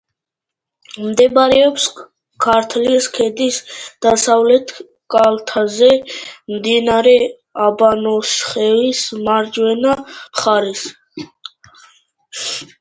მდებარეობს ქართლის ქედის დასავლეთ კალთაზე, მდინარე აბანოსხევის მარჯვენა მხარეს.